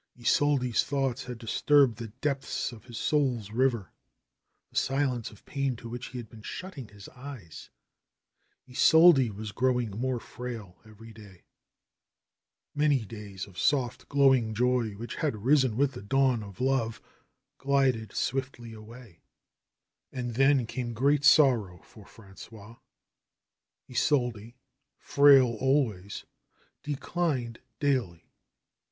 Isolde's thoughts had disturbed the depths of his soul's river, the silence of pain to which he had been shutting his eyes. Isolde was growing more frail every day. Many days of soft, glowing joy, which had risen with the dawn of love, glided swiftly away. And then came great sorrow for Frangois. Isolde, frail always, declined daily.